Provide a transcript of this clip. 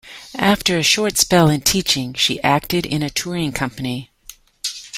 After a short spell in teaching she acted in a touring company.